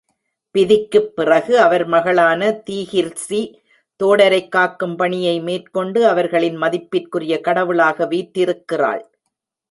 பிதிக்குப் பிறகு அவர் மகளான தீகிர்சி தோடரைக் காக்கும் பணியை மேற்கொண்டு, அவர்களின் மதிப்பிற்குரிய கடவுளாக வீற்றிருக்கிறாள்.